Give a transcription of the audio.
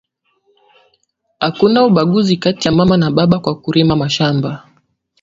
Akuna ubaguzi kati ya mama na baba kwaku rima mashamba